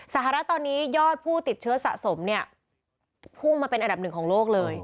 สหรัฐตอนนี้ยอดผู้ติดเชื้อสะสมเนี่ยพุ่งมาเป็นอันดับหนึ่งของโลกเลย